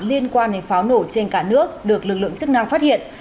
liên quan đến pháo nổ trên cả nước được lực lượng chức năng phát hiện